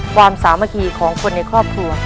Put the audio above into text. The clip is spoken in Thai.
สามัคคีของคนในครอบครัว